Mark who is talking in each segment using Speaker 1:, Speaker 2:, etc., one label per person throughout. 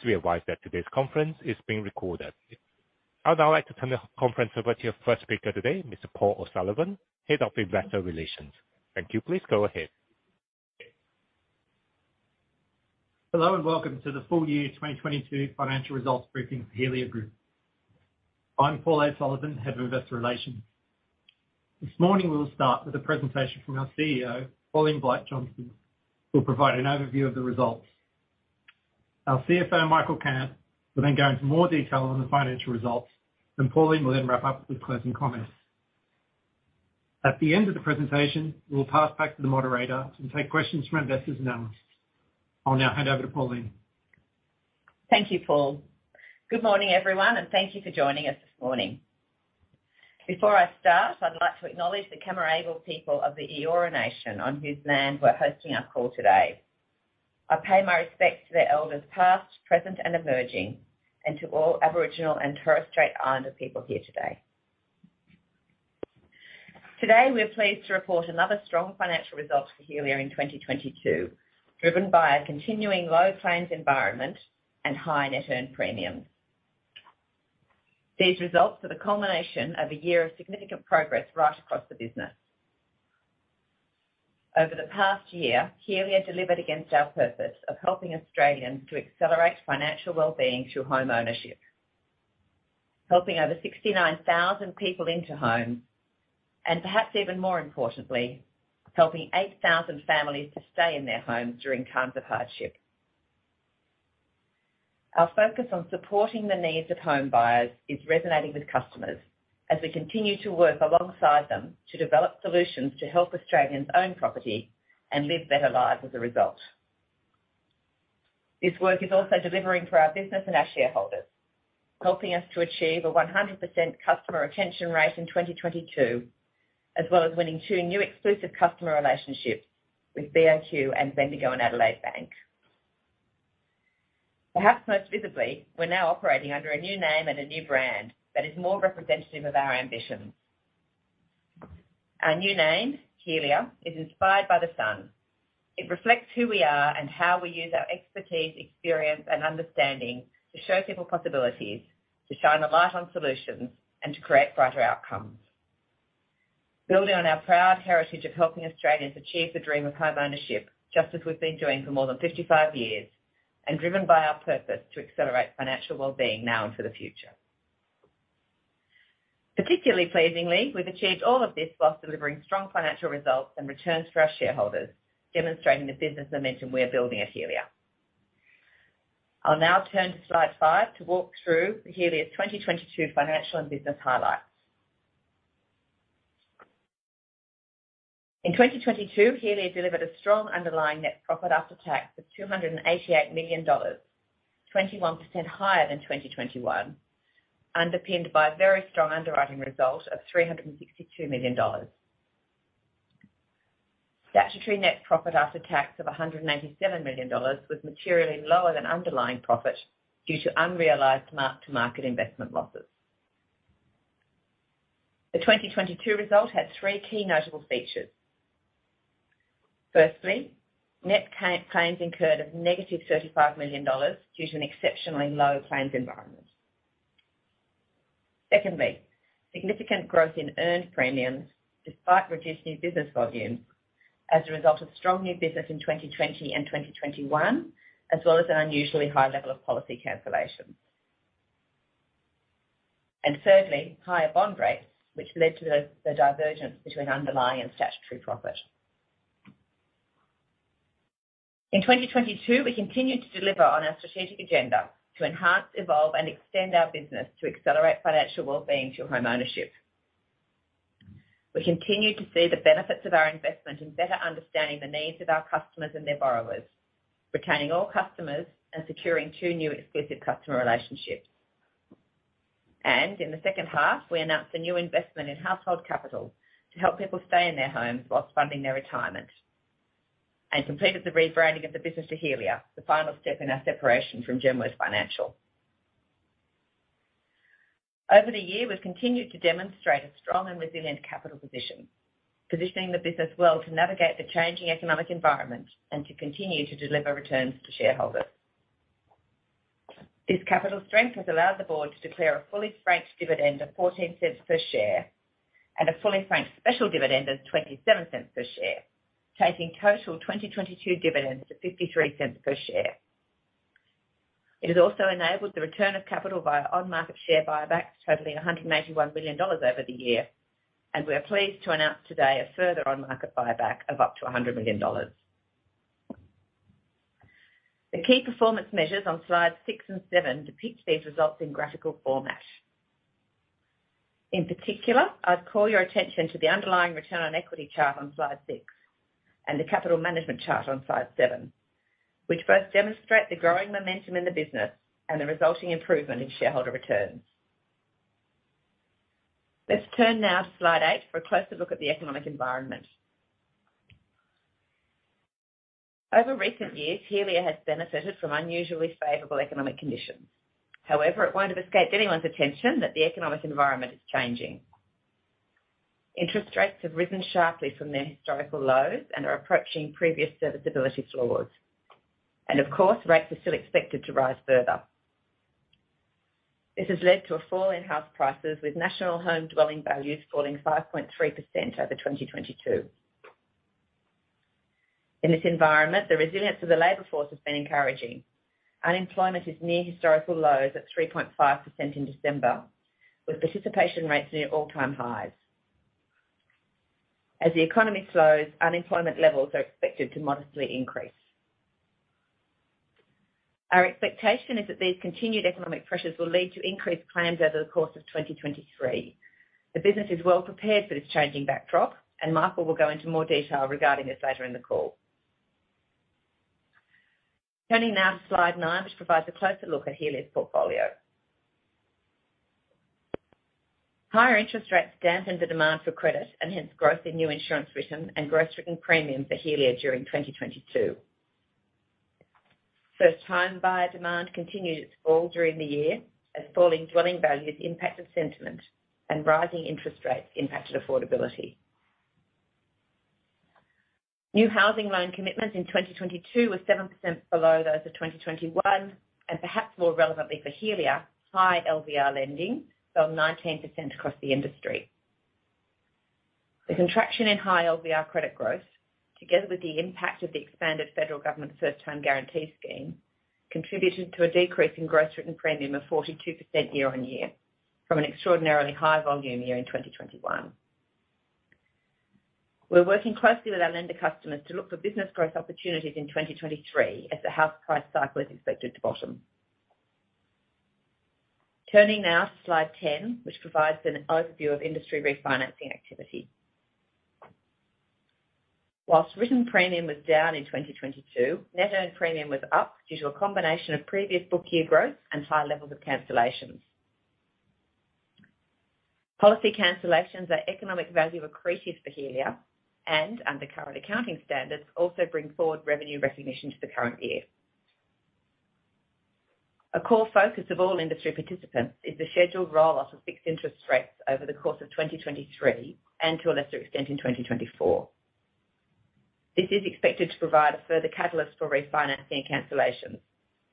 Speaker 1: Please be advised that today's conference is being recorded. I'd now like to turn the conference over to your first speaker today, Mr. Paul O'Sullivan, Head of Investor Relations. Thank you. Please go ahead.
Speaker 2: Hello, welcome to the full year 2022 financial results briefing for Helia Group. I'm Paul O'Sullivan, Head of Investor Relations. This morning, we'll start with a presentation from our CEO, Pauline Blight-Johnston, who'll provide an overview of the results. Our CFO, Michael Cant, will then go into more detail on the financial results, and Pauline will then wrap up with closing comments. At the end of the presentation, we'll pass back to the moderator and take questions from investors and analysts. I'll now hand over to Pauline.
Speaker 3: Thank you, Paul. Good morning, everyone, and thank you for joining us this morning. Before I start, I'd like to acknowledge the Cammeraygal people of the Eora Nation, on whose land we're hosting our call today. I pay my respects to their elders past, present, and emerging, and to all Aboriginal and Torres Strait Islander people here today. Today, we're pleased to report another strong financial result for Helia in 2022, driven by a continuing low claims environment and high net earned premium. These results are the culmination of a year of significant progress right across the business. Over the past year, Helia delivered against our purpose of helping Australians to accelerate financial wellbeing through homeownership, helping over 69,000 people into homes, and perhaps even more importantly, helping 8,000 families to stay in their homes during times of hardship. Our focus on supporting the needs of homebuyers is resonating with customers as we continue to work alongside them to develop solutions to help Australians own property and live better lives as a result. This work is also delivering for our business and our shareholders, helping us to achieve a 100% customer retention rate in 2022, as well as winning two new exclusive customer relationships with BOQ and Bendigo and Adelaide Bank. Perhaps most visibly, we're now operating under a new name and a new brand that is more representative of our ambition. Our new name, Helia, is inspired by the sun. It reflects who we are and how we use our expertise, experience, and understanding to show people possibilities, to shine a light on solutions, and to create brighter outcomes. Building on our proud heritage of helping Australians achieve the dream of homeownership, just as we've been doing for more than 55 years, and driven by our purpose to accelerate financial wellbeing now and for the future. Particularly pleasingly, we've achieved all of this while delivering strong financial results and returns for our shareholders, demonstrating the business dimension we're building at Helia. I'll now turn to Slide 5 to walk through Helia's 2022 financial and business highlights. In 2022, Helia delivered a strong underlying net profit after tax of 288 million dollars, 21% higher than 2021, underpinned by a very strong underwriting result of 362 million dollars. Statutory net profit after tax of 187 million dollars was materially lower than underlying profit due to unrealized mark-to-market investment losses. The 2022 result had three key notable features. Firstly, net claims incurred of -35 million dollars due to an exceptionally low claims environment. Secondly, significant growth in earned premiums despite reduced new business volumes as a result of strong new business in 2020 and 2021, as well as an unusually high level of policy cancellations. Thirdly, higher bond rates, which led to the divergence between underlying and statutory profit. In 2022, we continued to deliver on our strategic agenda to enhance, evolve, and extend our business to accelerate financial wellbeing through homeownership. We continued to see the benefits of our investment in better understanding the needs of our customers and their borrowers, retaining all customers and securing two new exclusive customer relationships. In the second half, we announced a new investment in Household Capital to help people stay in their homes whilst funding their retirement and completed the rebranding of the business to Helia, the final step in our separation from Genworth Financial. Over the year, we've continued to demonstrate a strong and resilient capital position, positioning the business well to navigate the changing economic environment and to continue to deliver returns to shareholders. This capital strength has allowed the Board to declare a fully franked dividend of 0.14 per share and a fully franked special dividend of 0.27 per share, taking total 2022 dividends to 0.53 per share. It has also enabled the return of capital via on-market share buybacks totaling 181 million dollars over the year. We are pleased to announce today a further on-market buyback of up to 100 million dollars. The key performance measures on Slides 6 and 7 depict these results in graphical format. In particular, I'd call your attention to the underlying return on equity chart on Slide 6 and the capital management chart on Slide 7, which both demonstrate the growing momentum in the business and the resulting improvement in shareholder returns. Let's turn now to Slide 8 for a closer look at the economic environment. Over recent years, Helia has benefited from unusually favorable economic conditions. However, it won't have escaped anyone's attention that the economic environment is changing. Interest rates have risen sharply from their historical lows and are approaching previous serviceability floors. Of course, rates are still expected to rise further. This has led to a fall in house prices, with national home dwelling values falling 5.3% over 2022. In this environment, the resilience of the labor force has been encouraging. Unemployment is near historical lows at 3.5% in December, with participation rates near all-time highs. As the economy slows, unemployment levels are expected to modestly increase. Our expectation is that these continued economic pressures will lead to increased claims over the course of 2023. The business is well prepared for this changing backdrop, and Michael will go into more detail regarding this later in the call. Turning now to Slide 9, which provides a closer look at Helia's portfolio. Higher interest rates dampened the demand for credit and hence growth in new insurance written and gross written premiums at Helia during 2022. First-time buyer demand continued its fall during the year as falling dwelling values impacted sentiment and rising interest rates impacted affordability. New housing loan commitments in 2022 were 7% below those of 2021, perhaps more relevantly for Helia, high LVR lending fell 19% across the industry. The contraction in high LVR credit growth, together with the impact of the expanded federal government First Home Guarantee scheme, contributed to a decrease in gross written premium of 42% year-over-year from an extraordinarily high volume year in 2021. We're working closely with our lender customers to look for business growth opportunities in 2023 as the house price cycle is expected to bottom. Turning now to Slide 10, which provides an overview of industry refinancing activity. Whilst written premium was down in 2022, net earned premium was up due to a combination of previous book year growth and high levels of cancellations. Policy cancellations are economic value accretive for Helia and, under current accounting standards, also bring forward revenue recognition to the current year. A core focus of all industry participants is the scheduled roll-off of fixed interest rates over the course of 2023, and to a lesser extent in 2024. This is expected to provide a further catalyst for refinancing cancellations,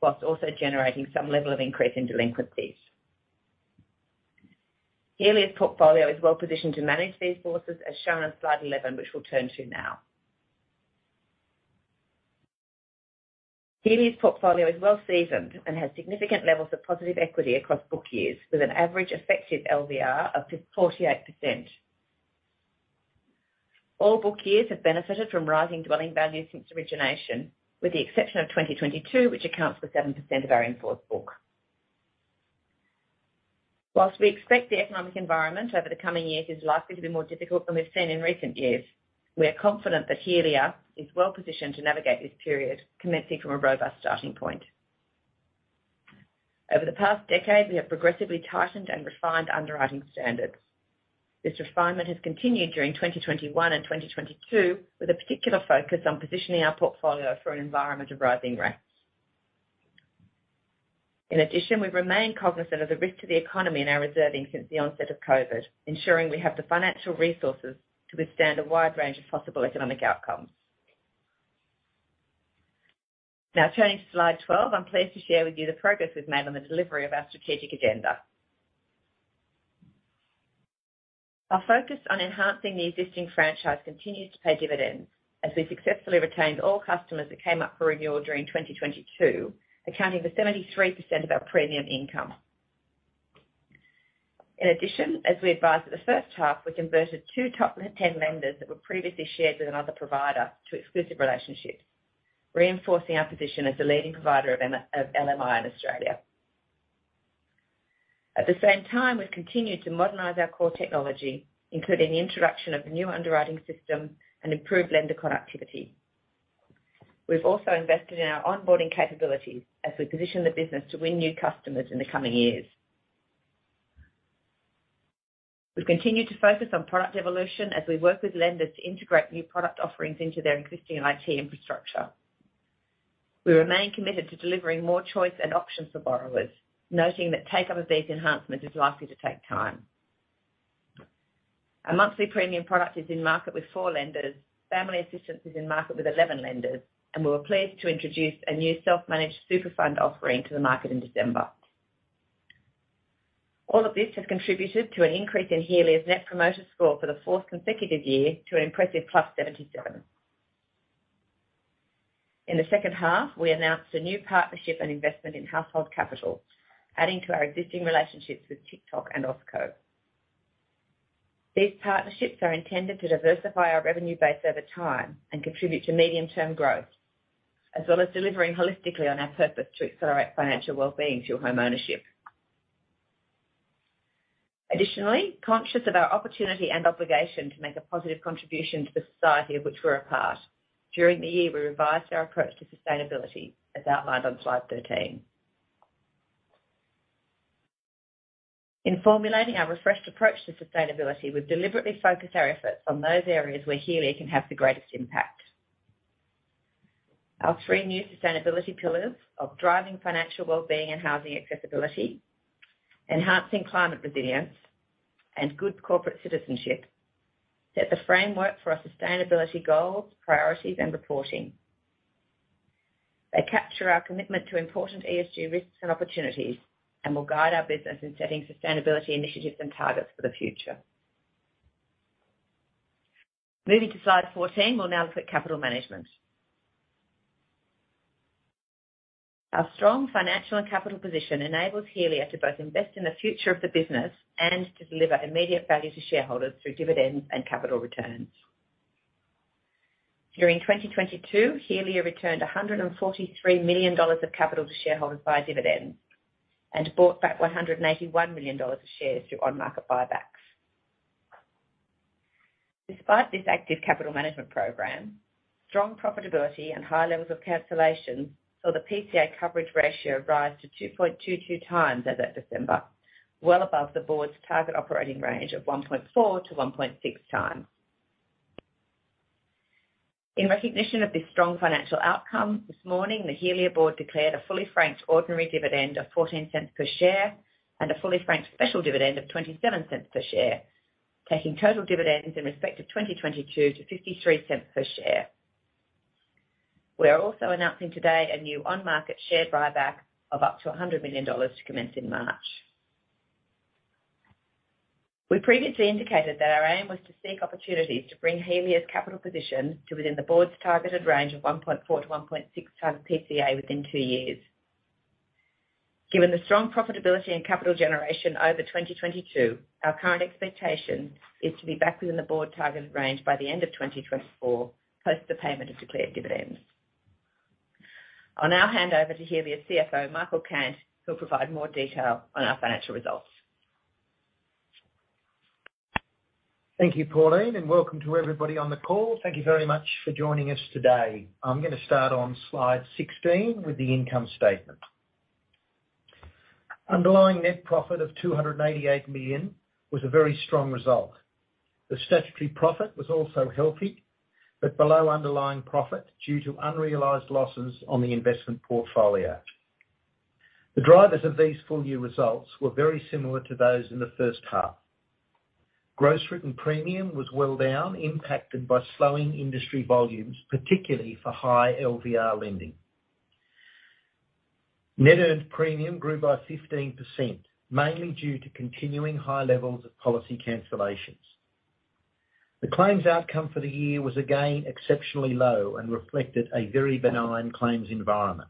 Speaker 3: whilst also generating some level of increase in delinquencies. Helia's portfolio is well-positioned to manage these forces, as shown on Slide 11, which we'll turn to now. Helia's portfolio is well seasoned and has significant levels of positive equity across book years, with an average effective LVR of 48%. All book years have benefited from rising dwelling values since origination, with the exception of 2022, which accounts for 7% of our in-force book. Whilst we expect the economic environment over the coming years is likely to be more difficult than we've seen in recent years, we are confident that Helia is well positioned to navigate this period, commencing from a robust starting point. Over the past decade, we have progressively tightened and refined underwriting standards. This refinement has continued during 2021 and 2022, with a particular focus on positioning our portfolio for an environment of rising rates. We've remained cognizant of the risk to the economy in our reserving since the onset of COVID, ensuring we have the financial resources to withstand a wide range of possible economic outcomes. Turning to Slide 12, I'm pleased to share with you the progress we've made on the delivery of our strategic agenda. Our focus on enhancing the existing franchise continues to pay dividends as we successfully retained all customers that came up for renewal during 2022, accounting for 73% of our premium income. As we advised at the first half, we converted two top 10 lenders that were previously shared with another provider to exclusive relationships, reinforcing our position as the leading provider of LMI in Australia. At the same time, we've continued to modernize our core technology, including the introduction of a new underwriting system and improved lender connectivity. We've also invested in our onboarding capabilities as we position the business to win new customers in the coming years. We've continued to focus on product evolution as we work with lenders to integrate new product offerings into their existing IT infrastructure. We remain committed to delivering more choice and options for borrowers, noting that take-up of these enhancements is likely to take time. Our Monthly LMI is in market with four lenders, Family Assistance is in market with 11 lenders, and we were pleased to introduce a new self-managed super fund offering to the market in December. All of this has contributed to an increase in Helia's Net Promoter Score for the fourth consecutive year to an impressive +77. In the second half, we announced a new partnership and investment in Household Capital, adding to our existing relationships with Tic:Toc and OSQO. These partnerships are intended to diversify our revenue base over time and contribute to medium-term growth, as well as delivering holistically on our purpose to accelerate financial wellbeing through homeownership. Additionally, conscious of our opportunity and obligation to make a positive contribution to the society of which we're a part, during the year, we revised our approach to sustainability, as outlined on Slide 13. In formulating our refreshed approach to sustainability, we've deliberately focused our efforts on those areas where Helia can have the greatest impact. Our three new sustainability pillars of driving financial well-being and housing accessibility, enhancing climate resilience, and good corporate citizenship set the framework for our sustainability goals, priorities, and reporting. They capture our commitment to important ESG risks and opportunities, and will guide our business in setting sustainability initiatives and targets for the future. Moving to Slide 14, we'll now look at capital management. Our strong financial and capital position enables Helia to both invest in the future of the business and to deliver immediate value to shareholders through dividends and capital returns. During 2022, Helia returned 143 million dollars of capital to shareholders via dividends and bought back 181 million dollars of shares through on-market buybacks. Despite this active capital management program, strong profitability and high levels of cancellation saw the PCA coverage ratio rise to 2.22x as at December, well above the Board's target operating range of 1.4x-1.6x. In recognition of this strong financial outcome, this morning, the Helia Board declared a fully franked ordinary dividend of 0.14 per share and a fully franked special dividend of 0.27 per share, taking total dividends in respect of 2022 to 0.53 per share. We are also announcing today a new on-market share buyback of up to 100 million dollars to commence in March. We previously indicated that our aim was to seek opportunities to bring Helia's capital position to within the Board's targeted range of 1.4x-1.6x PCA within two years. Given the strong profitability and capital generation over 2022, our current expectation is to be back within the Board targeted range by the end of 2024, post the payment of declared dividends. I'll now hand over to Helia's CFO, Michael Cant, who'll provide more detail on our financial results.
Speaker 4: Thank you, Pauline. Welcome to everybody on the call. Thank you very much for joining us today. I'm gonna start on Slide 16 with the income statement. Underlying net profit of 288 million was a very strong result. The statutory profit was also healthy, but below underlying profit due to unrealized losses on the investment portfolio. The drivers of these full-year results were very similar to those in the first half. Gross written premium was well down, impacted by slowing industry volumes, particularly for high LVR lending. Net earned premium grew by 15%, mainly due to continuing high levels of policy cancellations. The claims outcome for the year was again exceptionally low and reflected a very benign claims environment.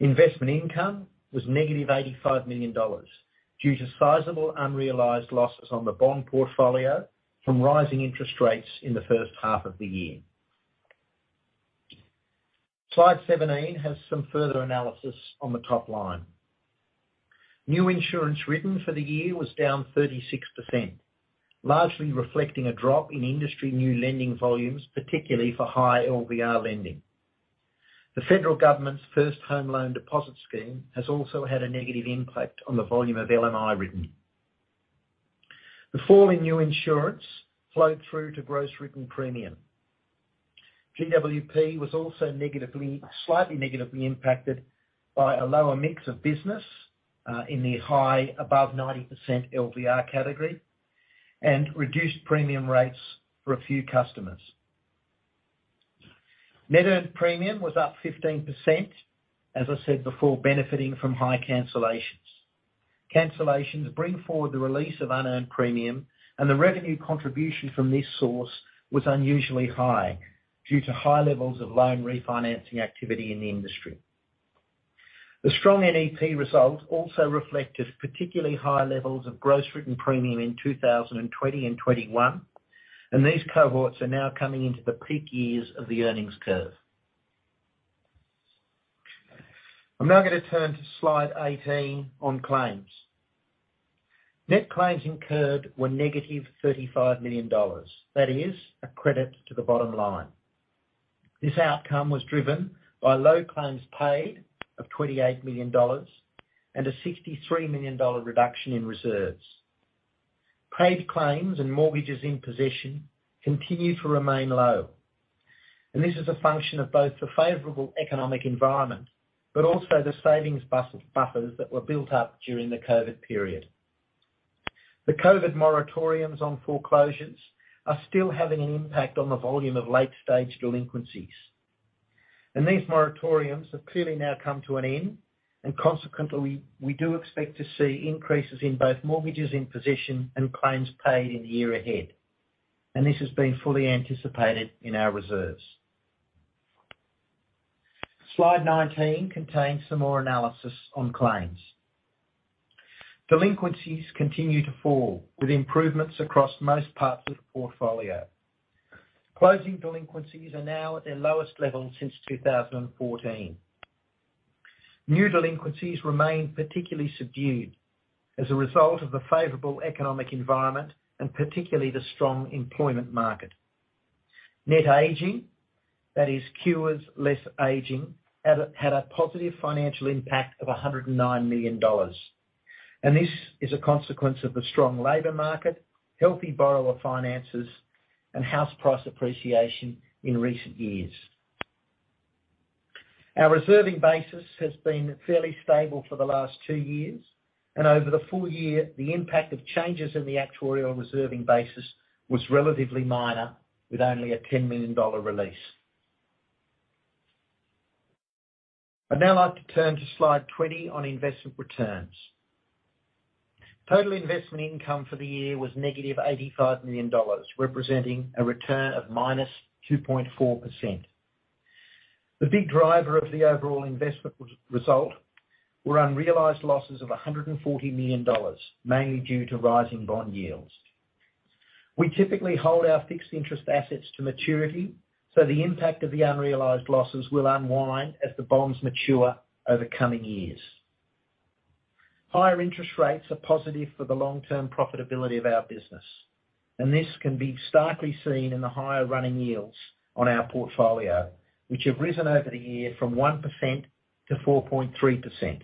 Speaker 4: Investment income was -85 million dollars due to sizable unrealized losses on the bond portfolio from rising interest rates in the first half of the year. Slide 17 has some further analysis on the top line. New insurance written for the year was down 36%, largely reflecting a drop in industry new lending volumes, particularly for high LVR lending. The federal government's First Home Loan Deposit Scheme has also had a negative impact on the volume of LMI written. The fall in new insurance flowed through to gross written premium. GWP was also slightly negatively impacted by a lower mix of business in the high above 90% LVR category and reduced premium rates for a few customers. Net earned premium was up 15%, as I said before, benefiting from high cancellations. Cancellations bring forward the release of unearned premium, and the revenue contribution from this source was unusually high due to high levels of loan refinancing activity in the industry. The strong NEP results also reflect a particularly high levels of gross written premium in 2020 and 2021, and these cohorts are now coming into the peak years of the earnings curve. I'm now gonna turn to Slide 18 on claims. Net claims incurred were -35 million dollars. That is, a credit to the bottom line. This outcome was driven by low claims paid of 28 million dollars and a 63 million dollar reduction in reserves. Paid claims and mortgages in possession continue to remain low, and this is a function of both the favorable economic environment, but also the savings buffers that were built up during the COVID period. The COVID moratoriums on foreclosures are still having an impact on the volume of late-stage delinquencies, and these moratoriums have clearly now come to an end, and consequently, we do expect to see increases in both mortgages in possession and claims paid in the year ahead. This has been fully anticipated in our reserves. Slide 19 contains some more analysis on claims. Delinquencies continue to fall, with improvements across most parts of the portfolio. Closing delinquencies are now at their lowest level since 2014. New delinquencies remain particularly subdued as a result of the favorable economic environment, and particularly the strong employment market. Net aging, that is cures less aging, had a positive financial impact of 109 million dollars. This is a consequence of the strong labor market, healthy borrower finances, and house price appreciation in recent years. Our reserving basis has been fairly stable for the last two years, and over the full year, the impact of changes in the actuarial reserving basis was relatively minor, with only a 10 million dollar release. I'd now like to turn to Slide 20 on investment returns. Total investment income for the year was -85 million dollars, representing a return of -2.4%. The big driver of the overall investment result were unrealized losses of 140 million dollars, mainly due to rising bond yields. We typically hold our fixed interest assets to maturity, so the impact of the unrealized losses will unwind as the bonds mature over coming years. Higher interest rates are positive for the long-term profitability of our business. This can be starkly seen in the higher running yields on our portfolio, which have risen over the year from 1% to 4.3%.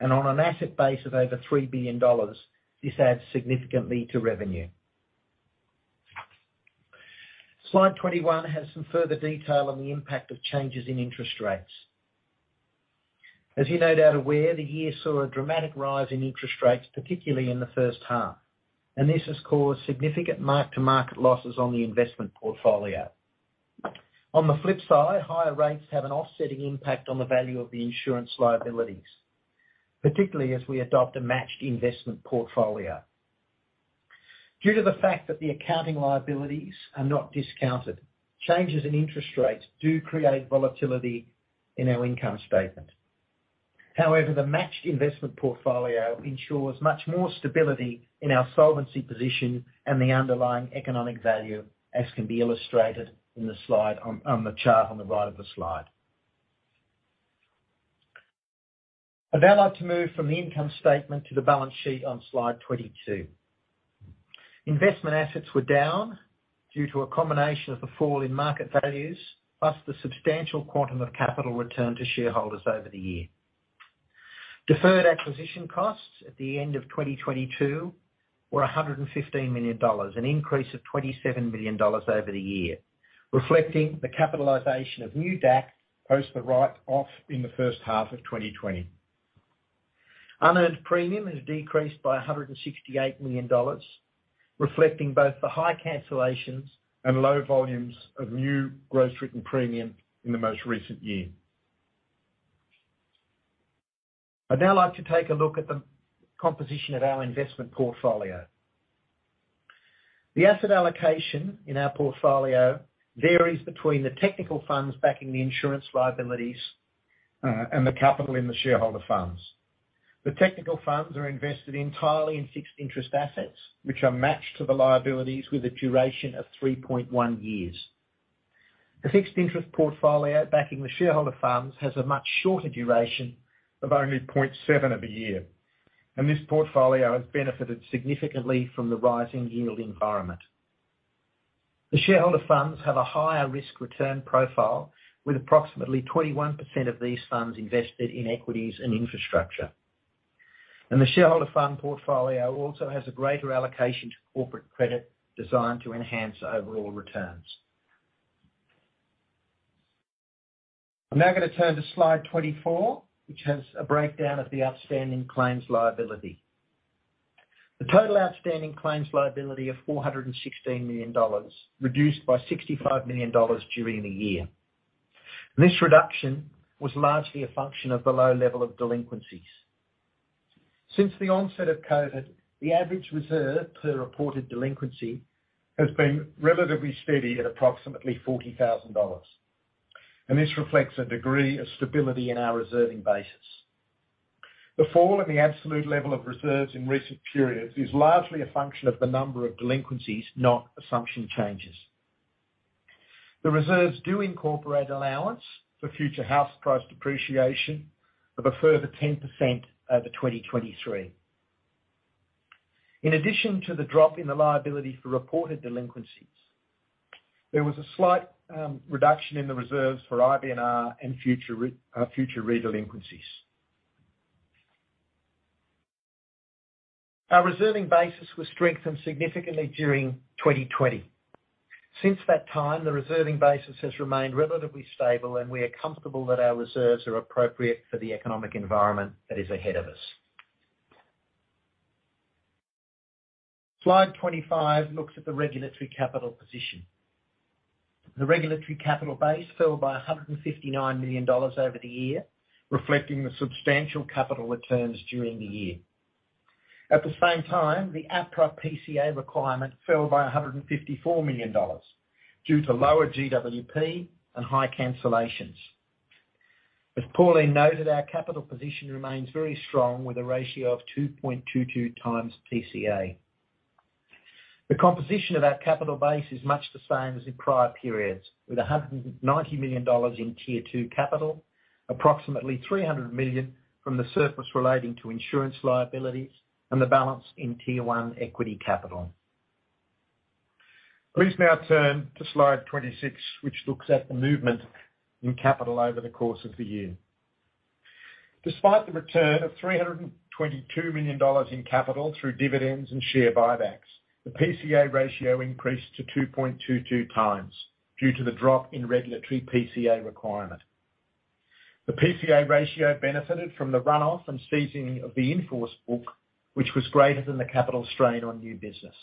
Speaker 4: On an asset base of over 3 billion dollars, this adds significantly to revenue. Slide 21 has some further detail on the impact of changes in interest rates. As you're no doubt aware, the year saw a dramatic rise in interest rates, particularly in the first half. This has caused significant mark-to-market losses on the investment portfolio. On the flip side, higher rates have an offsetting impact on the value of the insurance liabilities, particularly as we adopt a matched investment portfolio. Due to the fact that the accounting liabilities are not discounted, changes in interest rates do create volatility in our income statement. The matched investment portfolio ensures much more stability in our solvency position and the underlying economic value, as can be illustrated in the chart on the right of the slide. I'd now like to move from the income statement to the balance sheet on Slide 22. Investment assets were down due to a combination of the fall in market values, plus the substantial quantum of capital returned to shareholders over the year. Deferred acquisition costs at the end of 2022 were 115 million dollars, an increase of 27 million dollars over the year, reflecting the capitalization of new DAC post the write-off in the first half of 2020. Unearned premium has decreased by 168 million dollars, reflecting both the high cancellations and low volumes of new gross written premium in the most recent year. I'd now like to take a look at the composition of our investment portfolio. The asset allocation in our portfolio varies between the technical funds backing the insurance liabilities, and the capital in the shareholder funds. The technical funds are invested entirely in fixed interest assets, which are matched to the liabilities with a duration of 3.1 years. The fixed interest portfolio backing the shareholder funds has a much shorter duration of only 0.7 of a year. This portfolio has benefited significantly from the rising yield environment. The shareholder funds have a higher risk return profile, with approximately 21% of these funds invested in equities and infrastructure. The shareholder fund portfolio also has a greater allocation to corporate credit designed to enhance overall returns. I'm now gonna turn to Slide 24, which has a breakdown of the outstanding claims liability. The total outstanding claims liability of 416 million dollars reduced by 65 million dollars during the year. This reduction was largely a function of the low level of delinquencies. Since the onset of COVID, the average reserve per reported delinquency has been relatively steady at approximately 40,000 dollars, and this reflects a degree of stability in our reserving basis. The fall in the absolute level of reserves in recent periods is largely a function of the number of delinquencies, not assumption changes. The reserves do incorporate allowance for future house price depreciation of a further 10% over 2023. In addition to the drop in the liability for reported delinquencies, there was a slight reduction in the reserves for IBNR and future re-delinquencies. Our reserving basis was strengthened significantly during 2020. Since that time, the reserving basis has remained relatively stable. We are comfortable that our reserves are appropriate for the economic environment that is ahead of us. Slide 25 looks at the regulatory capital position. The regulatory capital base fell by 159 million dollars over the year, reflecting the substantial capital returns during the year. At the same time, the APRA PCA requirement fell by 154 million dollars due to lower GWP and high cancellations. As Pauline noted, our capital position remains very strong, with a ratio of 2.22x PCA. The composition of our capital base is much the same as in prior periods, with 190 million dollars in Tier 2 capital, approximately 300 million from the surplus relating to insurance liabilities, and the balance in Tier 1 equity capital. Please now turn to Slide 26, which looks at the movement in capital over the course of the year. Despite the return of 322 million dollars in capital through dividends and share buybacks, the PCA ratio increased to 2.22x due to the drop in regulatory PCA requirement. The PCA ratio benefited from the run-off and ceasing of the in-force book, which was greater than the capital strain on new business.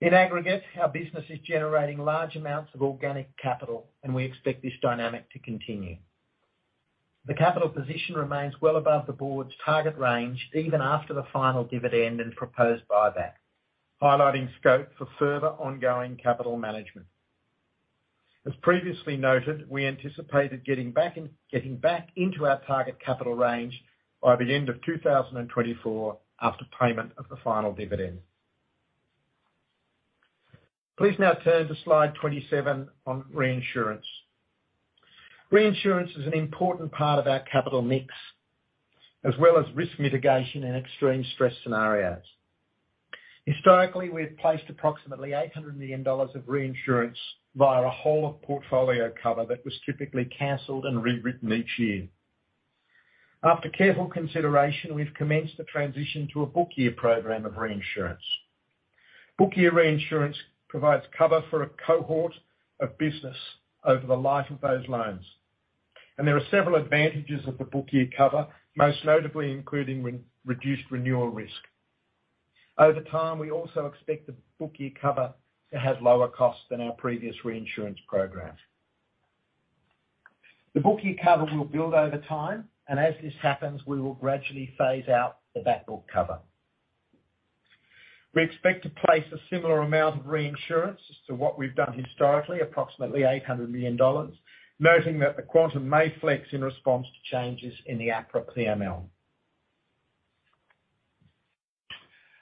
Speaker 4: In aggregate, our business is generating large amounts of organic capital, and we expect this dynamic to continue. The capital position remains well above the Board's target range even after the final dividend and proposed buyback, highlighting scope for further ongoing capital management. As previously noted, we anticipated getting back into our target capital range by the end of 2024 after payment of the final dividend. Please now turn to Slide 27 on reinsurance. Reinsurance is an important part of our capital mix, as well as risk mitigation in extreme stress scenarios. Historically, we've placed approximately 800 million dollars of reinsurance via a whole of portfolio cover that was typically canceled and rewritten each year. After careful consideration, we've commenced the transition to a book year program of reinsurance. Book year reinsurance provides cover for a cohort of business over the life of those loans. There are several advantages of the book year cover, most notably including reduced renewal risk. Over time, we also expect the book year cover to have lower costs than our previous reinsurance programs. The book year cover will build over time, and as this happens, we will gradually phase out the back book cover. We expect to place a similar amount of reinsurance as to what we've done historically, approximately 800 million dollars, noting that the quantum may flex in response to changes in the APRA PML.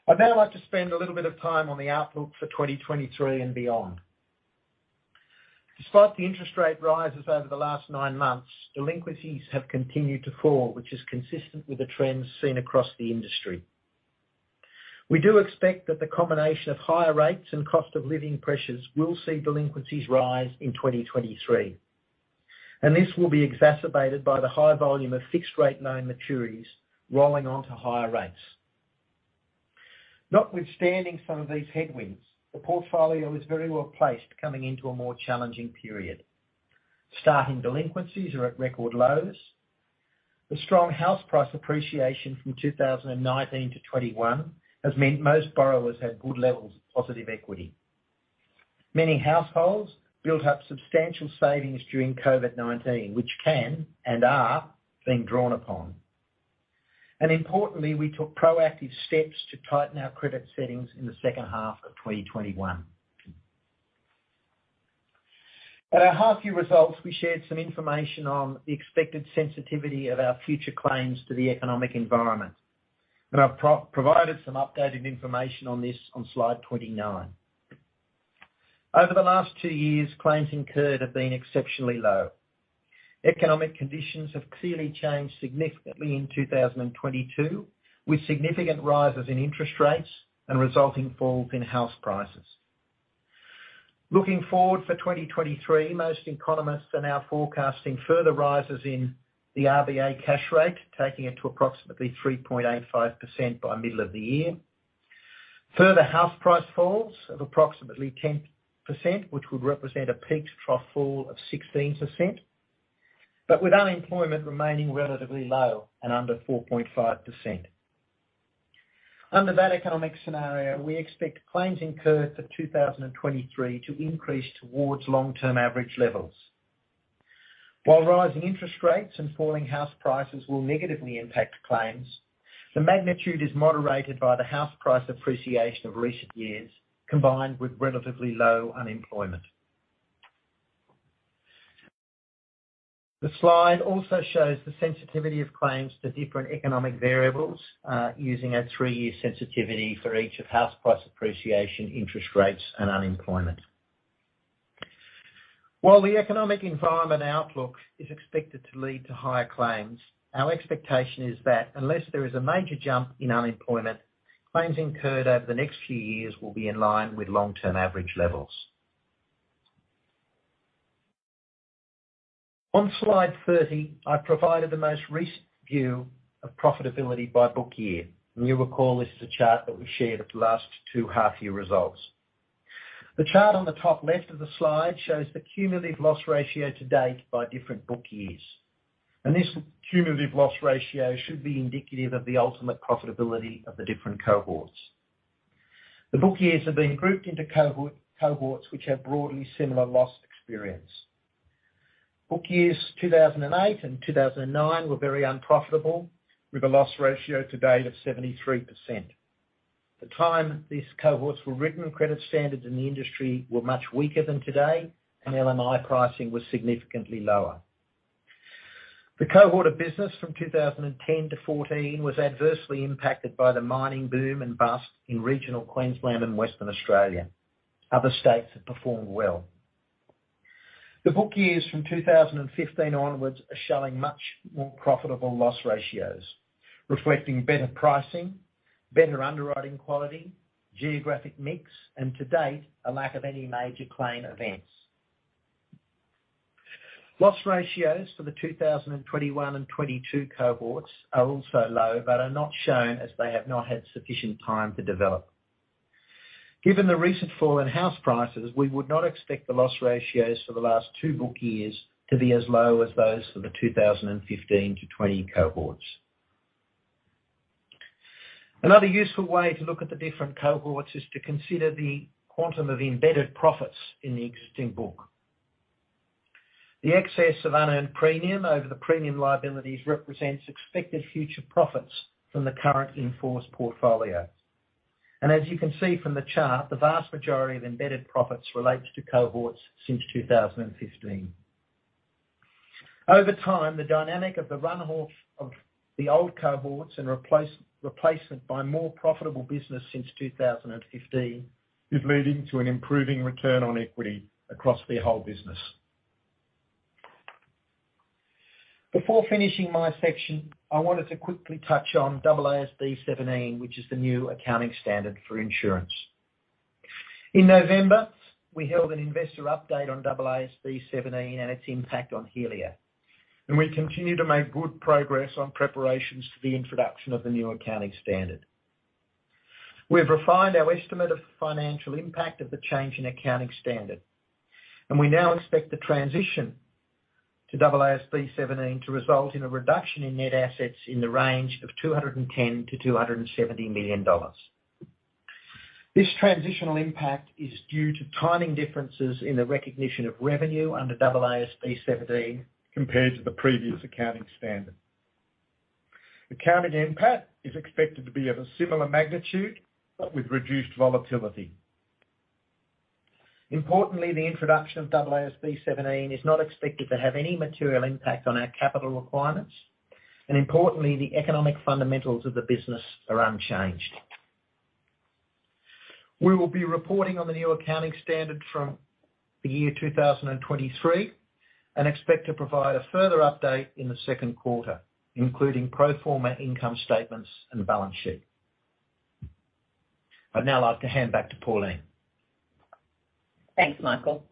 Speaker 4: I'd now like to spend a little bit of time on the outlook for 2023 and beyond. Despite the interest rate rises over the last nine months, delinquencies have continued to fall, which is consistent with the trends seen across the industry. We do expect that the combination of higher rates and cost of living pressures will see delinquencies rise in 2023. This will be exacerbated by the high volume of fixed rate loan maturities rolling onto higher rates. Notwithstanding some of these headwinds, the portfolio is very well-placed coming into a more challenging period. Starting delinquencies are at record lows. The strong house price appreciation from 2019 to 2021 has meant most borrowers have good levels of positive equity. Many households built up substantial savings during COVID-19, which can and are being drawn upon. Importantly, we took proactive steps to tighten our credit settings in the second half of 2021. At our half year results, we shared some information on the expected sensitivity of our future claims to the economic environment. I've provided some updated information on this on Slide 29. Over the last two years, claims incurred have been exceptionally low. Economic conditions have clearly changed significantly in 2022, with significant rises in interest rates and resulting falls in house prices. Looking forward for 2023, most economists are now forecasting further rises in the RBA cash rate, taking it to approximately 3.85% by middle of the year. Further house price falls of approximately 10%, which would represent a peak trough fall of 16%, but with unemployment remaining relatively low and under 4.5%. Under that economic scenario, we expect claims incurred for 2023 to increase towards long-term average levels. While rising interest rates and falling house prices will negatively impact claims, the magnitude is moderated by the house price appreciation of recent years, combined with relatively low unemployment. The slide also shows the sensitivity of claims to different economic variables, using a three-year sensitivity for each of house price appreciation, interest rates, and unemployment. While the economic environment outlook is expected to lead to higher claims, our expectation is that unless there is a major jump in unemployment, claims incurred over the next few years will be in line with long-term average levels. On Slide 30, I've provided the most recent view of profitability by book year. You'll recall this is a chart that we've shared at the last two half year results. The chart on the top left of the slide shows the cumulative loss ratio to date by different book years, and this cumulative loss ratio should be indicative of the ultimate profitability of the different cohorts. The book years have been grouped into cohorts which have broadly similar loss experience. Book years 2008 and 2009 were very unprofitable, with a loss ratio to date of 73%. At the time these cohorts were written, credit standards in the industry were much weaker than today, and LMI pricing was significantly lower. The cohort of business from 2010-2014 was adversely impacted by the mining boom and bust in regional Queensland and Western Australia. Other states have performed well. The book years from 2015 onwards are showing much more profitable loss ratios, reflecting better pricing, better underwriting quality, geographic mix, and to date, a lack of any major claim events. Loss ratios for the 2021 and 2022 cohorts are also low, but are not shown as they have not had sufficient time to develop. Given the recent fall in house prices, we would not expect the loss ratios for the last two book years to be as low as those for the 2015-2020 cohorts. Another useful way to look at the different cohorts is to consider the quantum of embedded profits in the existing book. The excess of unearned premium over the premium liabilities represents expected future profits from the current in-force portfolio. As you can see from the chart, the vast majority of embedded profits relates to cohorts since 2015. Over time, the dynamic of the run-off of the old cohorts and replacement by more profitable business since 2015 is leading to an improving return on equity across the whole business. Before finishing my section, I wanted to quickly touch on AASB 17, which is the new accounting standard for insurance. In November, we held an investor update on AASB 17 and its impact on Helia. We continue to make good progress on preparations for the introduction of the new accounting standard. We have refined our estimate of financial impact of the change in accounting standard. We now expect the transition to AASB 17 to result in a reduction in net assets in the range of 210 million-270 million dollars. This transitional impact is due to timing differences in the recognition of revenue under AASB 17 compared to the previous accounting standard. The accounting impact is expected to be of a similar magnitude, with reduced volatility. Importantly, the introduction of AASB 17 is not expected to have any material impact on our capital requirements. Importantly, the economic fundamentals of the business are unchanged. We will be reporting on the new accounting standard from the year 2023, and expect to provide a further update in the second quarter, including pro forma income statements and balance sheet. I'd now like to hand back to Pauline.
Speaker 3: Thanks, Michael.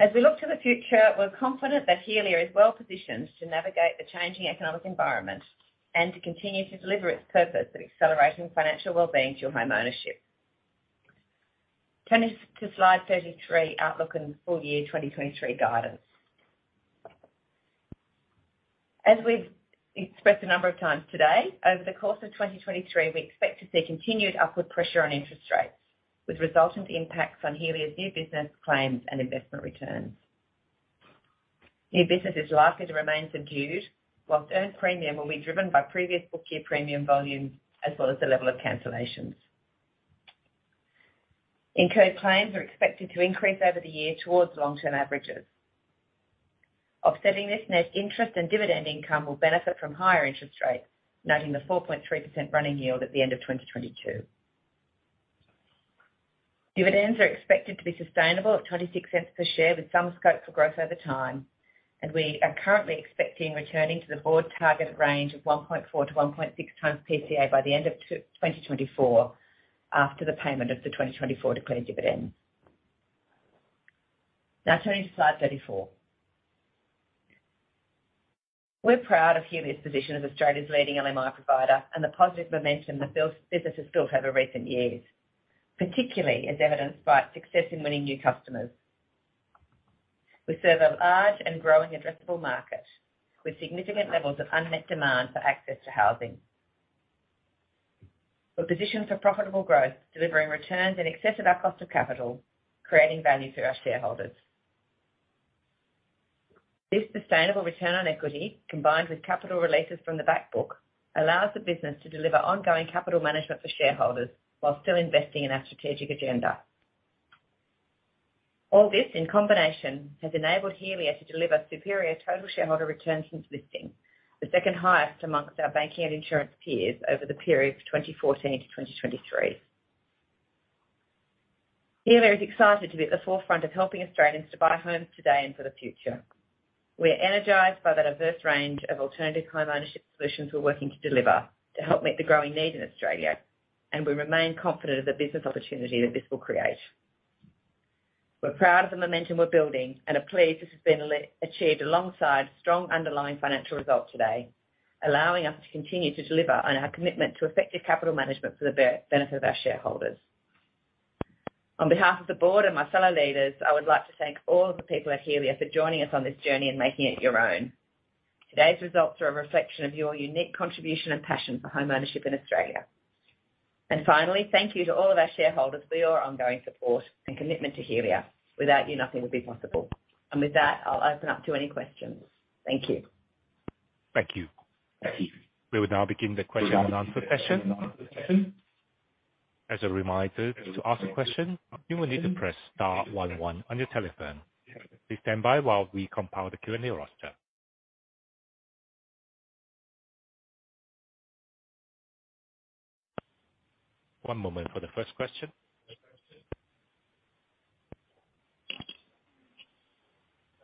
Speaker 3: As we look to the future, we're confident that Helia is well-positioned to navigate the changing economic environment and to continue to deliver its purpose of accelerating financial wellbeing to homeownership. Turning to Slide 33, outlook and full year 2023 guidance. As we've expressed a number of times today, over the course of 2023, we expect to see continued upward pressure on interest rates with resultant impacts on Helia's new business claims and investment returns. New business is likely to remain subdued, whilst earned premium will be driven by previous book year premium volumes, as well as the level of cancellations. Incurred claims are expected to increase over the year towards long-term averages. Offsetting this, net interest and dividend income will benefit from higher interest rates, noting the 4.3% running yield at the end of 2022. Dividends are expected to be sustainable at 0.26 per share, with some scope for growth over time. We are currently expecting returning to the Board target range of 1.4x-1.6x PCA by the end of 2024 after the payment of the 2024 declared dividend. Turning to Slide 34. We're proud of Helia's position as Australia's leading LMI provider and the positive momentum the business has built over recent years, particularly as evidenced by success in winning new customers. We serve a large and growing addressable market with significant levels of unmet demand for access to housing. We're positioned for profitable growth, delivering returns in excess of our cost of capital, creating value for our shareholders. This sustainable return on equity, combined with capital releases from the back book, allows the business to deliver ongoing capital management for shareholders while still investing in our strategic agenda. All this in combination has enabled Helia to deliver superior total shareholder returns since listing, the second highest amongst our banking and insurance peers over the period of 2014 to 2023. Helia is excited to be at the forefront of helping Australians to buy homes today and for the future. We are energized by the diverse range of alternative homeownership solutions we're working to deliver to help meet the growing need in Australia, and we remain confident of the business opportunity that this will create. We're proud of the momentum we're building and are pleased this has been achieved alongside strong underlying financial results today, allowing us to continue to deliver on our commitment to effective capital management for the benefit of our shareholders. On behalf of the Board and my fellow leaders, I would like to thank all of the people at Helia for joining us on this journey and making it your own. Today's results are a reflection of your unique contribution and passion for homeownership in Australia. Finally, thank you to all of our shareholders for your ongoing support and commitment to Helia. Without you, nothing would be possible. With that, I'll open up to any questions. Thank you.
Speaker 1: Thank you. We will now begin the question and answer session. As a reminder, to ask a question, you will need to press star one one on your telephone. Please stand by while we compile the Q&A roster. One moment for the first question.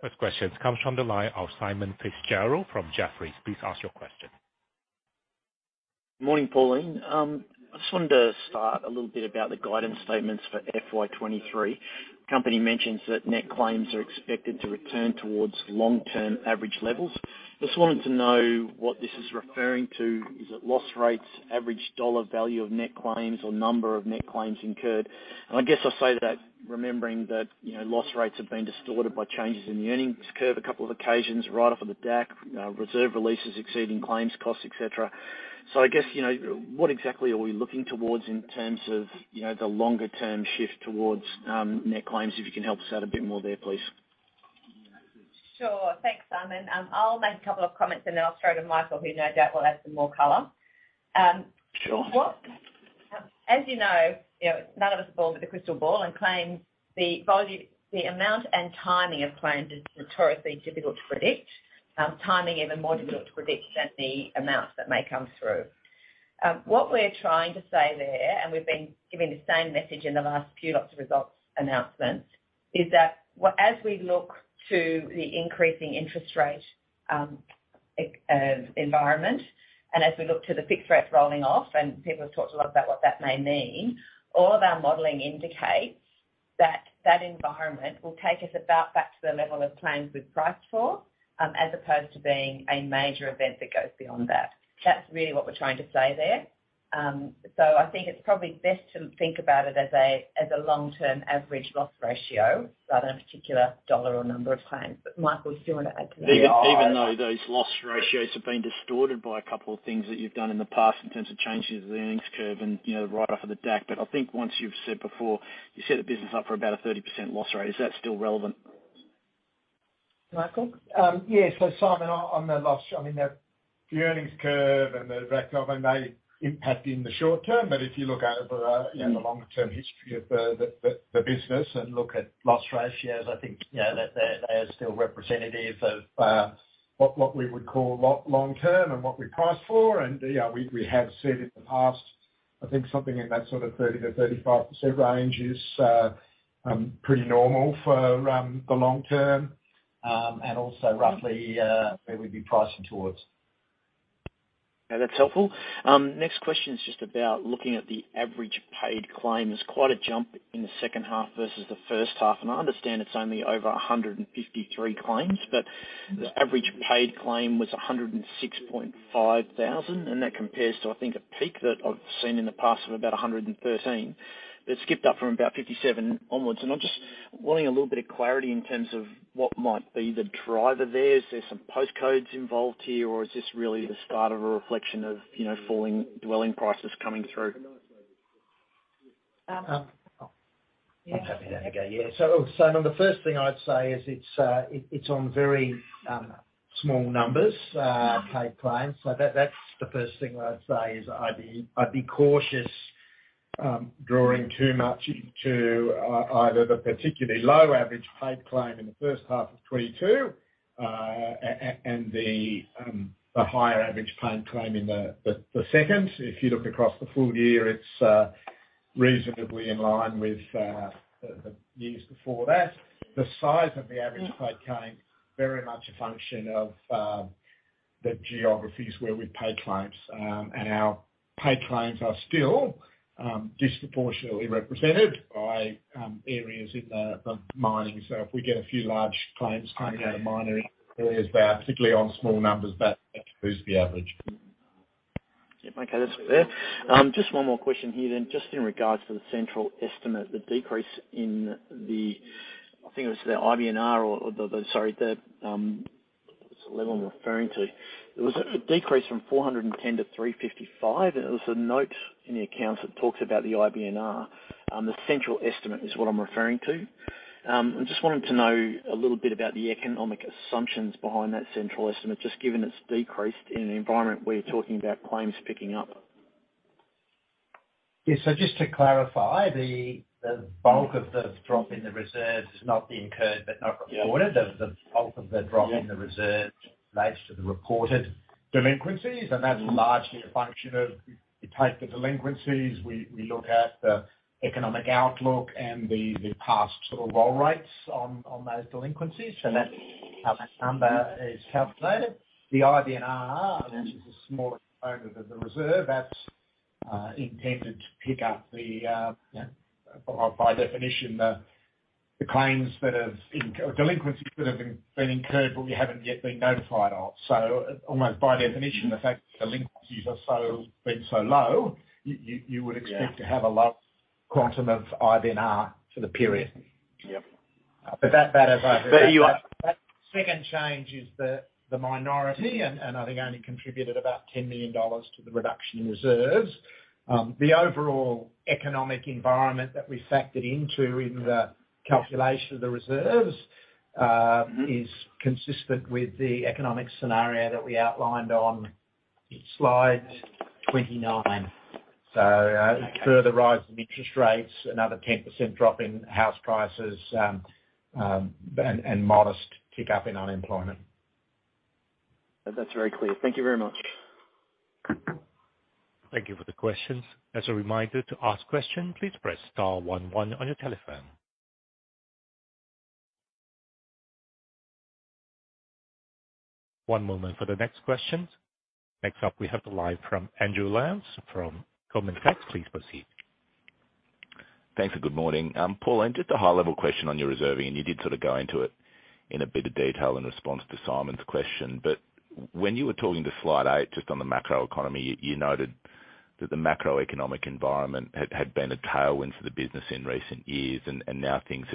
Speaker 1: First question comes from the line of Simon Fitzgerald from Jefferies. Please ask your question.
Speaker 5: Morning, Pauline. I just wanted to start a little bit about the guidance statements for FY 2023. Company mentions that net claims are expected to return towards long-term average levels. Just wanted to know what this is referring to. Is it loss rates, average dollar value of net claims or number of net claims incurred? I guess I say that remembering that, you know, loss rates have been distorted by changes in the earnings curve a couple of occasions right off of the DAC, reserve releases exceeding claims costs, et cetera. I guess, you know, what exactly are we looking towards in terms of, you know, the longer term shift towards net claims, if you can help us out a bit more there, please.
Speaker 3: Sure. Thanks, Simon. I'll make a couple of comments and then I'll throw to Michael, who no doubt will add some more color.
Speaker 5: Sure.
Speaker 3: As you know, you know, none of us have got a crystal ball and claims the volume, the amount and timing of claims is notoriously difficult to predict. Timing even more difficult to predict than the amounts that may come through. What we're trying to say there, and we've been giving the same message in the last few lots of results announcements, is that as we look to the increasing interest rate environment and as we look to the fixed rate rolling off, and people have talked a lot about what that may mean, all of our modeling indicates that that environment will take us about back to the level of claims we've priced for, as opposed to being a major event that goes beyond that. That's really what we're trying to say there. I think it's probably best to think about it as a, as a long-term average loss ratio rather than a particular dollar or number of claims. Michael, you still want to add to that?
Speaker 5: Even though those loss ratios have been distorted by a couple of things that you've done in the past in terms of changes in the earnings curve and, you know, right off of the DAC. I think once you've said before, you set the business up for about a 30% loss rate, is that still relevant?
Speaker 3: Michael?
Speaker 4: Yeah. Simon, on the last, I mean, the earnings curve and the [rec gov] may impact in the short term, if you look over, you know, the longer term history of the business and look at loss ratios, I think, you know, that they're still representative of what we would call long term and what we price for. Yeah, we have said in the past, I think something in that sort of 30%-35% range is pretty normal for the long term and also roughly where we'd be pricing towards.
Speaker 5: Yeah, that's helpful. Next question is just about looking at the average paid claims. Quite a jump in the second half versus the first half. I understand it's only over 153 claims, but the average paid claim was 106,500, and that compares to, I think, a peak that I've seen in the past of about 113,000. It skipped up from about 57,000 onwards. I'm just wanting a little bit of clarity in terms of what might be the driver there. Is there some postcodes involved here, or is this really the start of a reflection of, you know, falling dwelling prices coming through?
Speaker 3: Um.
Speaker 4: I'm happy to have a go, yeah. The first thing I'd say is it's on very small numbers, paid claims. That's the first thing I'd say is I'd be cautious drawing too much to either the particularly low average paid claim in the first half of 2022 and the higher average paid claim in the second. If you look across the full year, it's reasonably in line with the years before that. The size of the average paid claim, very much a function of the geographies where we pay claims. Our paid claims are still disproportionately represented by areas in the mining. If we get a few large claims coming out of mining areas, that particularly on small numbers, that boosts the average.
Speaker 5: Yep. Okay, that's fair. Just one more question here then. Just in regards to the central estimate, the decrease in the, I think it was the IBNR or the, what's the level I'm referring to? It was a decrease from 410 to 355. There was a note in the accounts that talks about the IBNR. The central estimate is what I'm referring to. I just wanted to know a little bit about the economic assumptions behind that central estimate, just given it's decreased in an environment where you're talking about claims picking up.
Speaker 4: Just to clarify, the bulk of the drop in the reserves has not been Incurred But Not Reported. The bulk of the drop in the reserve relates to the reported delinquencies. That's largely a function of you take the delinquencies, we look at the economic outlook and the past sort of roll rates on those delinquencies. That's how that number is calculated. The IBNR, which is a smaller component of the reserve, that's intended to pick up the by definition, the claims that have or delinquencies that have been incurred, but we haven't yet been notified of. Almost by definition, the fact that delinquencies are been so low, you would expect to have a low quantum of IBNR for the period.
Speaker 5: Yep.
Speaker 4: That.
Speaker 5: You are.
Speaker 4: That second change is the minority and I think only contributed about 10 million dollars to the reduction in reserves. The overall economic environment that we factored into in the calculation of the reserves is consistent with the economic scenario that we outlined on Slide 29. A further rise in interest rates, another 10% drop in house prices, and modest pick up in unemployment.
Speaker 5: That's very clear. Thank you very much.
Speaker 1: Thank you for the questions. As a reminder to ask question, please press star one one on your telephone. One moment for the next questions. Next up, we have the line from Andrew Lyons from Goldman Sachs. Please proceed.
Speaker 6: Thanks. Good morning. Pauline, just a high-level question on your reserving, and you did sort of go into it in a bit of detail in response to Simon's question. When you were talking to Slide 8, just on the macroeconomy, you noted that the macroeconomic environment had been a tailwind for the business in recent years and now things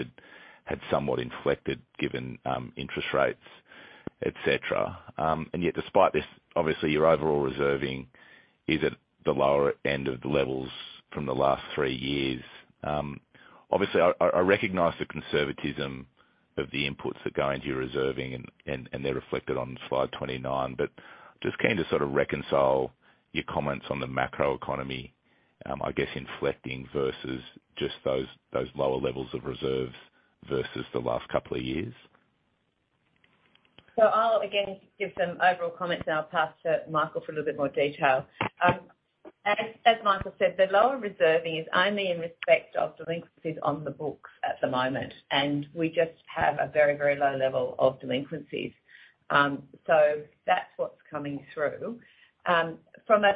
Speaker 6: had somewhat inflected given interest rates, et cetera. Yet despite this, obviously your overall reserving is at the lower end of the levels from the last three years. Obviously I recognize the conservatism of the inputs that go into your reserving and they're reflected on Slide 29, but just keen to sort of reconcile your comments on the macroeconomy, I guess inflecting versus just those lower levels of reserves versus the last couple of years.
Speaker 3: I'll again give some overall comments and I'll pass to Michael for a little bit more detail. As Michael said, the lower reserving is only in respect of delinquencies on the books at the moment, and we just have a very, very low level of delinquencies. That's what's coming through. From a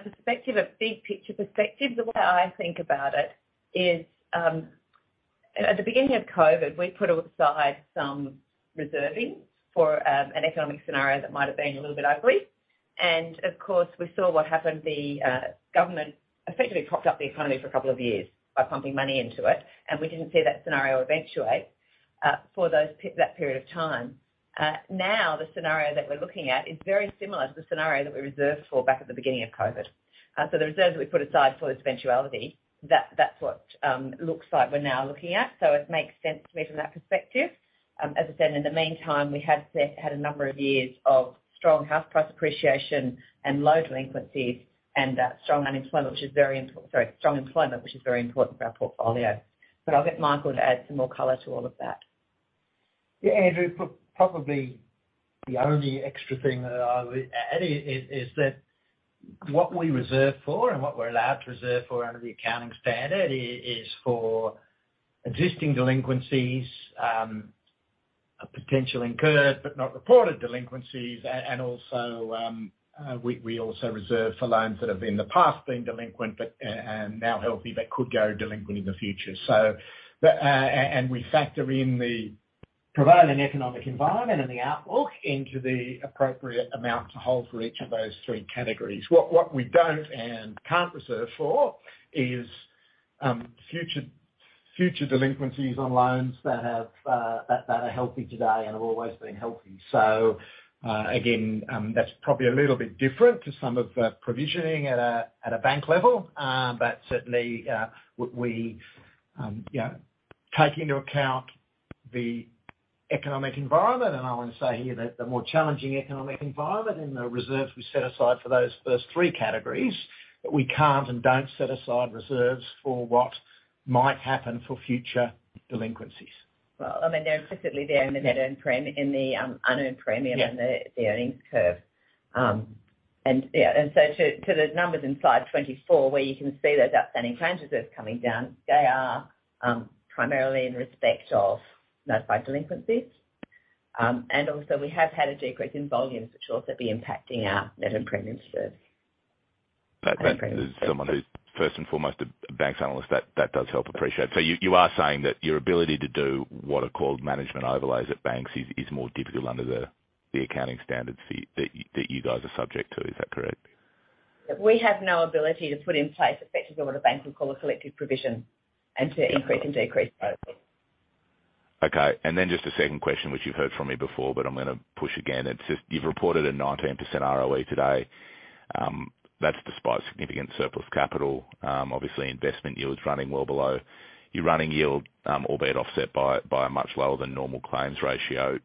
Speaker 3: big picture perspective, the way I think about it is, at the beginning of COVID, we put aside some reserving for an economic scenario that might have been a little bit ugly. Of course, we saw what happened. The government effectively propped up the economy for a couple of years by pumping money into it, and we didn't see that scenario eventuate for that period of time. Now, the scenario that we're looking at is very similar to the scenario that we reserved for back at the beginning of COVID. The reserves we put aside for this eventuality, that's what looks like we're now looking at. It makes sense to me from that perspective. As I said, in the meantime, we had a number of years of strong house price appreciation and low delinquencies and strong employment, which is very important for our portfolio. I'll get Michael to add some more color to all of that.
Speaker 4: Andrew, probably the only extra thing that I would add is that what we reserve for and what we're allowed to reserve for under the accounting standard is for existing delinquencies, potential incurred but not reported delinquencies and also we also reserve for loans that have in the past been delinquent but and now healthy, but could go delinquent in the future. And we factor in the prevailing economic environment and the outlook into the appropriate amount to hold for each of those three categories. What we don't and can't reserve for is future delinquencies on loans that have that are healthy today and have always been healthy. Again, that's probably a little bit different to some of the provisioning at a bank level. Certainly, we, you know, take into account the economic environment, and I want to say here that the more challenging economic environment and the reserves we set aside for those first three categories, we can't and don't set aside reserves for what might happen for future delinquencies.
Speaker 3: Well, I mean, they're implicitly there in the net earned premium in the unearned premium.
Speaker 4: Yeah.
Speaker 3: The earnings curve. Yeah. To the numbers in Slide 24, where you can see those outstanding claims reserves coming down, they are primarily in respect of notified delinquencies. Also we have had a decrease in volume, which will also be impacting our net earned premium curves.
Speaker 6: That as someone who's first and foremost a banks analyst that does help appreciate. You are saying that your ability to do what are called management overlays at banks is more difficult under the accounting standards for you that you guys are subject to. Is that correct?
Speaker 3: We have no ability to put in place effectively what a bank would call a collective provision and to increase and decrease those.
Speaker 6: Okay. Just a second question, which you've heard from me before, but I'm gonna push again. It's just you've reported a 19% ROE today. That's despite significant surplus capital. Obviously investment yield is running well below your running yield, albeit offset by a much lower than normal claims ratio.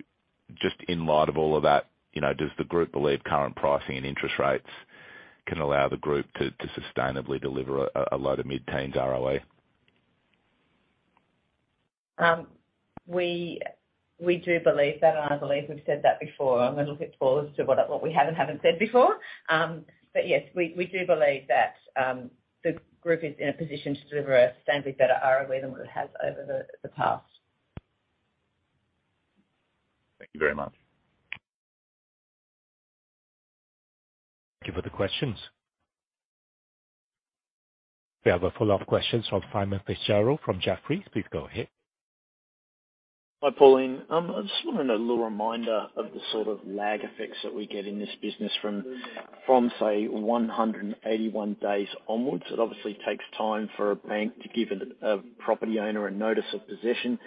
Speaker 6: Just in light of all of that, you know, does the group believe current pricing and interest rates can allow the group to sustainably deliver a low to mid-teens ROE?
Speaker 3: We do believe that, I believe we've said that before. I'm a little bit paused to what we have and haven't said before. Yes, we do believe that the group is in a position to deliver a sustainably better ROE than what it has over the past.
Speaker 6: Thank you very much.
Speaker 1: Thank you for the questions. We have a follow-up question from Simon Fitzgerald, from Jefferies. Please go ahead.
Speaker 5: Hi, Pauline. I just wanted a little reminder of the sort of lag effects that we get in this business from, say, 181 days onwards. It obviously takes time for a bank to give a property owner a notice of possession.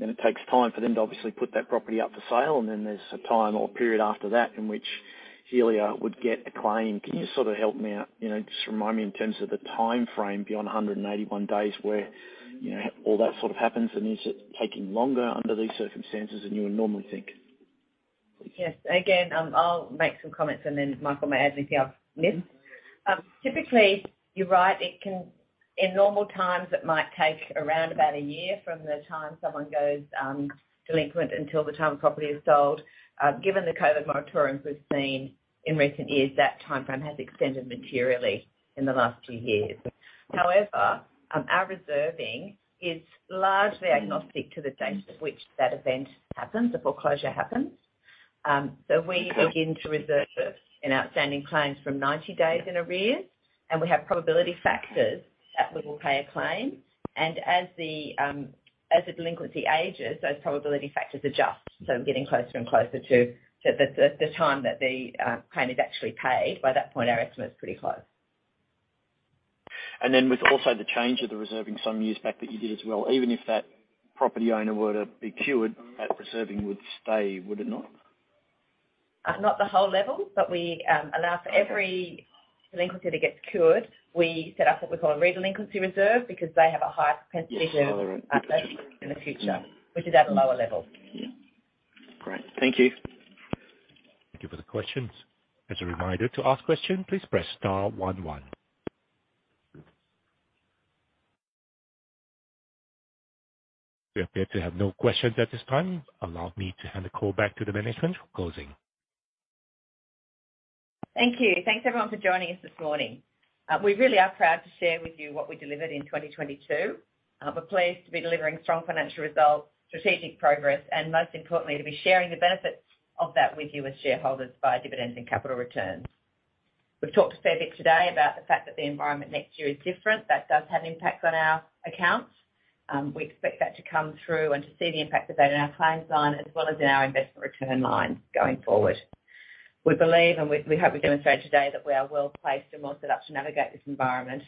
Speaker 5: It takes time for them to obviously put that property up for sale. There's a time or period after that in which Helia would get a claim. Can you sort of help me out? You know, just remind me in terms of the timeframe beyond 181 days where, you know, all that sort of happens, and is it taking longer under these circumstances than you would normally think?
Speaker 3: Yes. Again, I'll make some comments and then Michael may add anything I've missed. Typically, you're right. In normal times, it might take around about a year from the time someone goes delinquent until the time the property is sold. Given the COVID moratoriums we've seen in recent years, that timeframe has extended materially in the last two years. Our reserving is largely agnostic to the date of which that event happens, the foreclosure happens. We begin to reserve it in outstanding claims from 90 days in arrears, and we have probability factors that we will pay a claim. As the delinquency ages, those probability factors adjust, so getting closer and closer to the time that the claim is actually paid. By that point, our estimate's pretty close.
Speaker 5: With also the change of the reserving some years back that you did as well, even if that property owner were to be cured, that reserving would stay, would it not?
Speaker 3: Not the whole level, but we allow for every delinquency that gets cured. We set up what we call a re-delinquency reserve because they have a high propensity to in the future, which is at a lower level.
Speaker 5: Yeah. Great. Thank you.
Speaker 1: Thank you for the questions. As a reminder, to ask question, please press star one one. We appear to have no questions at this time. Allow me to hand the call back to the management for closing.
Speaker 3: Thank you. Thanks, everyone, for joining us this morning. We really are proud to share with you what we delivered in 2022. We're pleased to be delivering strong financial results, strategic progress, and most importantly, to be sharing the benefits of that with you as shareholders via dividends and capital returns. We've talked a fair bit today about the fact that the environment next year is different. That does have an impact on our accounts. We expect that to come through and to see the impact of that in our claims line as well as in our investment return line going forward. We believe, and we hope we demonstrated today, that we are well-placed and well set up to navigate this environment,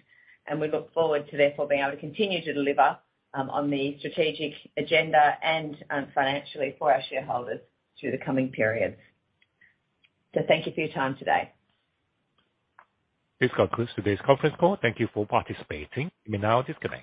Speaker 3: and we look forward to therefore being able to continue to deliver on the strategic agenda and financially for our shareholders through the coming periods. Thank you for your time today.
Speaker 1: This concludes today's conference call. Thank you for participating. You may now disconnect.